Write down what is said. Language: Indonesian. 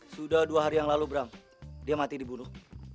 sudah dua hari yang lalu bram dia mati dibunuh